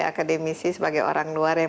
akademisi sebagai orang luar yang